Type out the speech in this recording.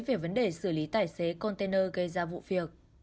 về vấn đề xử lý tài xế container gây ra vụ việc